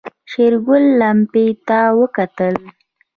شېرګل لمپې ته وکتل.